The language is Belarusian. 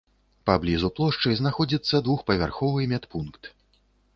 Паблізу плошчы знаходзіцца двухпавярховы медпункт.